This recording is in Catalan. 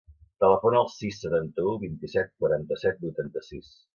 Telefona al sis, setanta-u, vint-i-set, quaranta-set, vuitanta-sis.